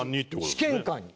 試験官に。